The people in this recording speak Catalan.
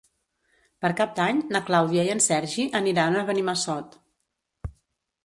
Per Cap d'Any na Clàudia i en Sergi aniran a Benimassot.